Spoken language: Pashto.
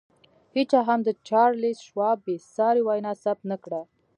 هېچا هم د چارلیس شواب بې ساري وینا ثبت نه کړه